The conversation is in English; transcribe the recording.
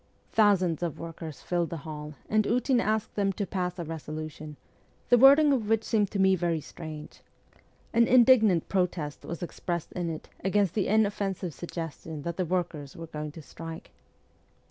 Thousands of workers filled the hall, and Ootin asked them to pass a resolution, the wording of which seemed to me very strange : an indignant protest was expressed in it against the inoffensive suggestion that the workers were going to strike.